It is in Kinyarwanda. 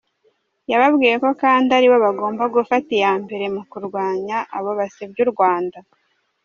Yababwiye ko kandi aribo bagomba gufata iya mbere mu kurwanya abo basebya u Rwanda.